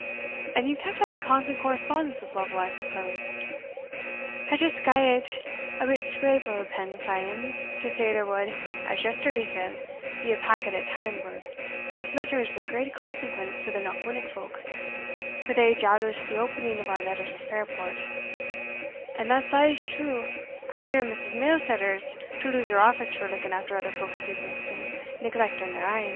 And you kept up a constant correspondence with Lovel, I suppose?" "I just gat ae bit scrape o' a pen frae him, to say there wad, as yesterday fell, be a packet at Tannonburgh, wi' letters o' great consequence to the Knockwinnock folk; for they jaloused the opening of our letters at Fairport And that's a's true; I hear Mrs. Mailsetter is to lose her office for looking after other folk's business and neglecting her ain."